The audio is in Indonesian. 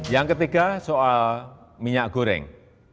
yang ketiga soal minyak goreng